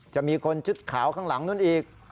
จะมีคนชุดขาวข้างหลังนู้นอีก